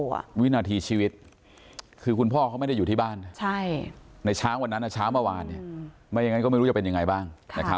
วินาทีชีวิตคือคุณพ่อเขาไม่ได้อยู่ที่บ้านในเช้าวันนั้นเช้าเมื่อวานไม่อย่างนั้นก็ไม่รู้จะเป็นยังไงบ้าง